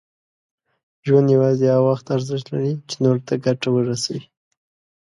ژوند یوازې هغه وخت ارزښت لري، چې نور ته ګټه ورسوي.